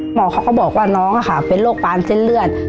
หมอเขาก็บอกว่าน้องเป็นโรคปานเส้นเลือด